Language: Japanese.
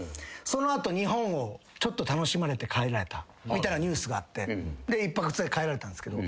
その後日本をちょっと楽しまれて帰られたみたいなニュースがあってで１泊２日で帰られたんすけど。